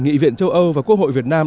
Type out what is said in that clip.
nghị viện châu âu và quốc hội việt nam